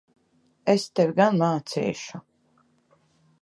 Es tevi gan mācīšu!